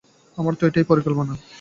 আমার তো এটাই পরিকল্পনা।